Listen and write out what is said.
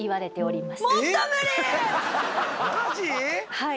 はい。